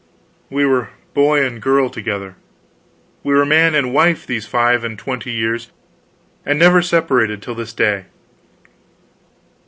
We were boy and girl together; we were man and wife these five and twenty years, and never separated till this day.